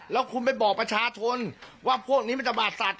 แล้วคุณไปบอกประชาชนว่าพวกนี้มันจะบาดสัตว